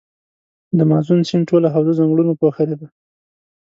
د مازون سیند ټوله حوزه ځنګلونو پوښلي ده.